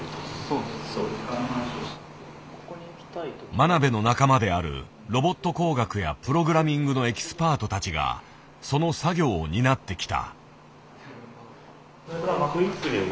真鍋の仲間であるロボット工学やプログラミングのエキスパートたちがその作業を担ってきた。